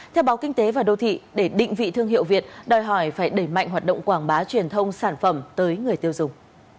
theo báo kinh tế và đô thị để định vị thương hiệu việt đòi hỏi phải đẩy mạnh hoạt động quảng bá truyền thông sản phẩm tới người tiêu dùng